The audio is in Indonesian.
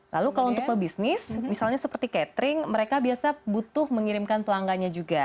lalu kalau untuk pebisnis misalnya seperti catering mereka biasa butuh mengirimkan pelanggannya juga